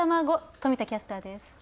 冨田キャスターです。